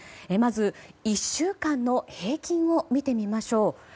まず１週間の平均を見てみましょう。